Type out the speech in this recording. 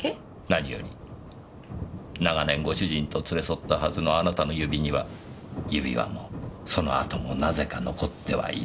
なにより長年ご主人と連れ添ったはずのあなたの指には指輪もその跡もなぜか残ってはいない。